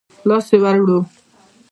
لاس يې ور ووړ.